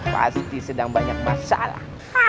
pasti sedang banyak masalah